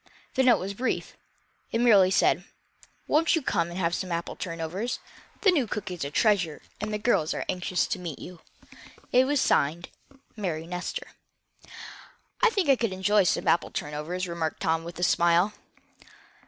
The note was brief. It merely said: "Won't you come, and have some apple turnovers? The new cook is a treasure, and the girls are anxious to meet you." It was signed: Mary Nestor. "I think I could enjoy some apple turnovers," remarked Tom, with a smile.